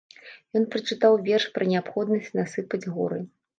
Ён прачытаў верш пра неабходнасць насыпаць горы.